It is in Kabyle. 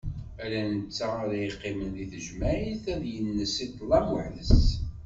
Ala netta ara yeqqimen deg tejmeɛt, ad ines i ṭlam weḥd-s.